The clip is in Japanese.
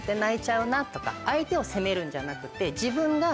相手を責めるんじゃなくて。